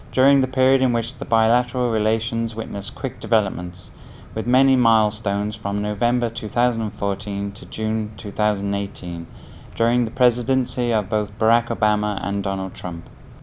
dưới cả hai đời tổng thống barack obama và donald trump